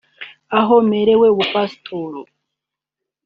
Aho mperewe ubupasitori